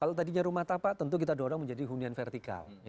kalau tadinya rumah tapak tentu kita dorong menjadi hunian vertikal